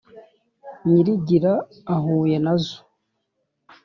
nyirigira ahuye na zo